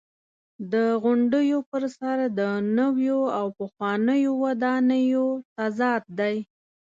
د غونډیو پر سر د نویو او پخوانیو ودانیو تضاد دی.